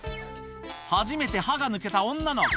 初めて歯が抜けた女の子。